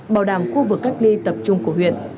bảo đảm khu vực cách ly tập trung của huyện